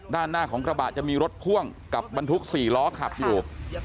ด้านหน้าของกระบะจะมีรถพ่วงกับบรรทุก๔ล้อขับอยู่